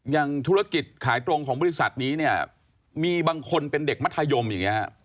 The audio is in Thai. อย่างธุรกิจขายตรงของบริษัทนี้เนี่ยมีบางคนเป็นเด็กมัธยมอย่างนี้ฮะ